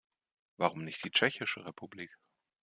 Warum nicht die Tschechische Republik?